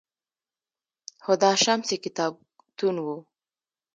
هُدا شمس یې کتابتون و